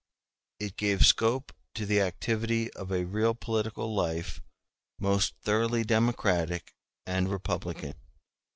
It gave scope to the activity of a real political life most thoroughly democratic and republican.